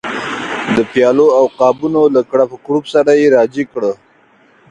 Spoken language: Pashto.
د پیالو او قابونو له کړپ کړوپ سره یې سر را جګ کړ.